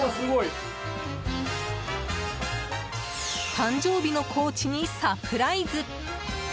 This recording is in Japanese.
誕生日のコーチにサプライズ！